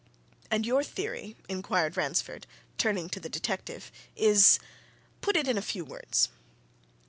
"And your theory," inquired Ransford, turning to the detective, "is put it in a few words."